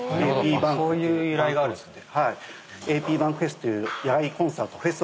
そういう由来があるんですね。